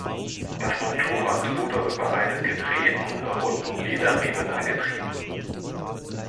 Das Motorrad wurde über einen gedrehten, runden Leder-Riemen angetrieben.